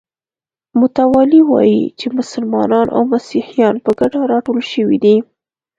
متوالي وایي چې مسلمانان او مسیحیان په ګډه راټول شوي دي.